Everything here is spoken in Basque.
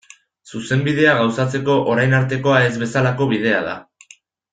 Zuzenbidea gauzatzeko orain artekoa ez bezalako bidea da.